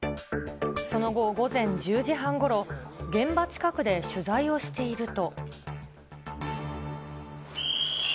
その後、午前１０時半ごろ、現場近くで取材をしていると。